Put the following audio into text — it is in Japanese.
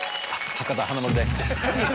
博多華丸・大吉です。